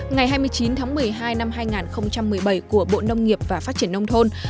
ngày hai mươi chín tháng một mươi hai năm hai nghìn một mươi bảy của bộ nông nghiệp và phát triển nông thôn